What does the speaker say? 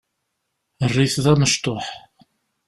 Err-it d amecṭuḥ.